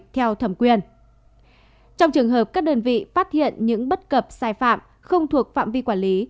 theo thẩm quyền trong trường hợp các đơn vị phát hiện những bất cập sai phạm không thuộc phạm vi quản lý